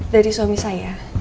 dari suami saya